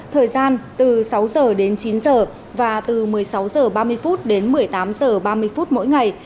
thời gian từ sáu giờ đến chín giờ và từ một mươi sáu giờ ba mươi phút đến một mươi tám giờ ba mươi phút mỗi ngày